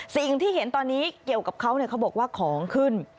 สิ่งที่เห็นตอนนี้เกี่ยวกับเขาเขาบอกว่าของขึ้น